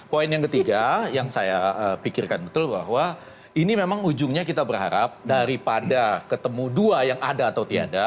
poin yang ketiga yang saya pikirkan betul bahwa ini memang ujungnya kita berharap daripada ketemu dua yang ada atau tiada